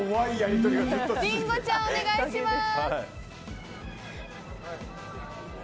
りんごちゃん、お願いします。